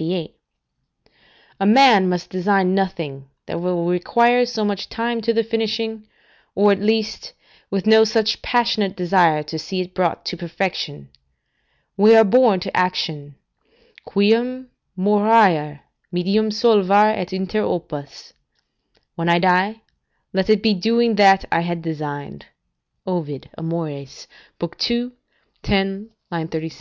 ] A man must design nothing that will require so much time to the finishing, or, at least, with no such passionate desire to see it brought to perfection. We are born to action: "Quum moriar, medium solvar et inter opus." ["When I shall die, let it be doing that I had designed." Ovid, Amor., ii. 10, 36.